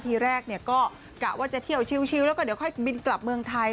ทีแรกก็กะว่าจะเที่ยวชิวแล้วก็เดี๋ยวค่อยบินกลับเมืองไทย